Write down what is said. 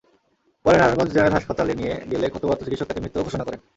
পরে নারায়ণগঞ্জ জেনারেল হাসপাতালে নিয়ে গেলে কর্তব্যরত চিকিৎসক তাকে মৃত ঘোষণা করেন।